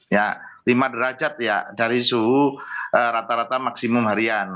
ya lima derajat ya dari suhu rata rata maksimum harian